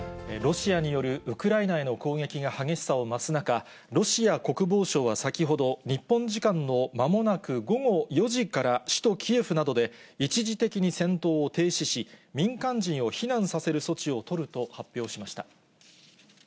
ロシアによるウクライナへの攻撃が激しさを増す中、ロシア国防省は先ほど、日本時間のまもなく午後４時から、首都キエフなどで一時的に戦闘を停止し、民間人を避難させる措置を取ると発表しました。